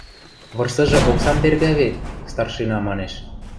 Вырсыжы оксам тергӓ вет... – старшина манеш.